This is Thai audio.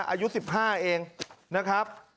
อายุ๑๕เองนะครับ